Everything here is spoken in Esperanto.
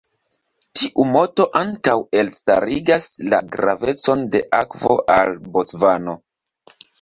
Tiu moto ankaŭ elstarigas la gravecon de akvo al Bocvano.